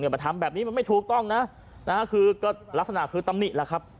เดี๋ยวมาทำแบบนี้มันไม่ถูกต้องนะนะฮะคือก็ลักษณะคือตำหนิล่ะครับ